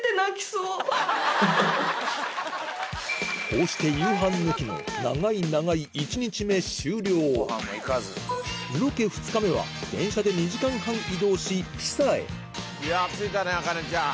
こうして夕飯抜きの長い長いロケ２日目は電車で２時間半移動しピサへいやぁ着いたね茜ちゃん。